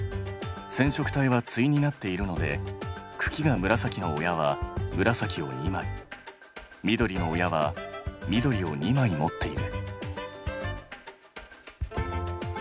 染色体は対になっているので茎が紫の親は紫を２枚緑の親は緑を２枚持っている。